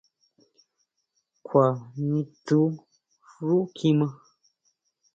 ¿Kjua nistsjú xú kjimá?